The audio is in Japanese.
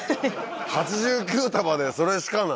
８９束でそれしかなの？